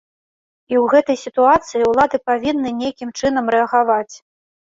І ў гэтай сітуацыі ўлады павінны нейкім чынам рэагаваць.